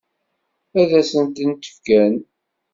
Ad s-tent-fken?